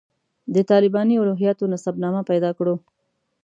د طالباني الهیاتو نسب نامه پیدا کړو.